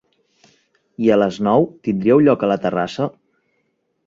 I a les nou, tindríeu lloc a la terrassa?